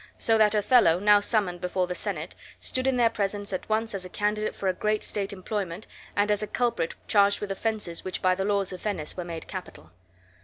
So that Othello, now summoned before the senate, stood in their presence at once as a candidate for a great state employment and as a culprit charged with offenses which by the laws of Venice were made capital.